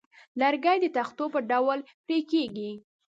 لرګی د تختو په ډول پرې کېږي.